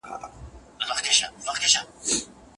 نقيبه ياره! ځوانيمرگ شې مړ شې لولپه شې